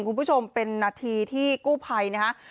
คุณผู้ชมเป็นนาทีที่กู้ภัยนะฮะ